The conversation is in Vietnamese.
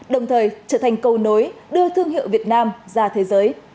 đồng thời trở thành cầu nối đưa thương hiệu việt nam ra thế giới